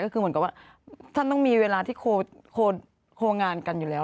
ก็คือเหมือนกับว่าท่านต้องมีเวลาที่โคงานกันอยู่แล้ว